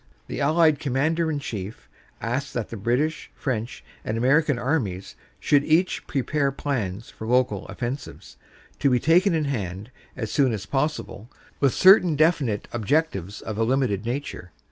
The Allied Commander in Chief asked that the British, French and American Armies should each prepare plans for local offensives, to be taken in hand as soon as pos sible, with certain definite objectives of a limited nature.